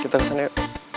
kita kesana yuk